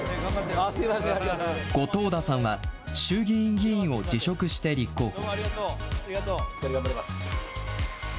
後藤田さんは衆議院議員を辞職して立候補。